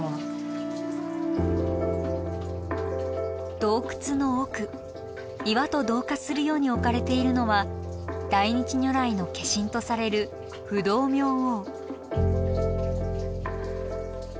洞窟の奥岩と同化するように置かれているのは大日如来の化身とされる不動明王。